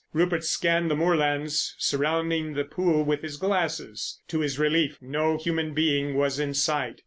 Rupert scanned the moorlands surrounding the pool with his glasses. To his relief no human being was in sight.